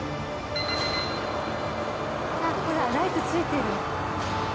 あっほらライト付いてる。